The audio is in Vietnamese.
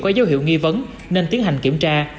có dấu hiệu nghi vấn nên tiến hành kiểm tra